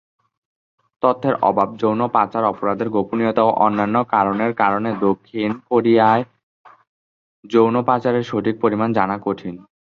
তথ্যের অভাব, যৌন পাচার অপরাধের গোপনীয়তা ও অন্যান্য কারণের কারণে দক্ষিণ কোরিয়ায় যৌন পাচারের সঠিক পরিমাণ জানা কঠিন।